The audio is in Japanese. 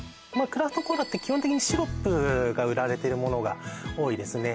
クラフトコーラって基本的にシロップが売られてるものが多いですね